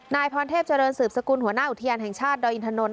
นายพรเทพเจริญสืบสกุลหัวหน้าอุทยานแห่งชาติดอยอินทนนท